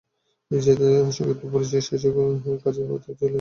নিজ দায়িত্বে সংক্ষিপ্ত পরিচয় শেষে সরাসরি কাজের কথায় চলে গেল তপু।